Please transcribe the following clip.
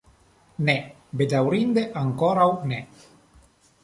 Ne, bedaŭrinde ankoraŭ ne.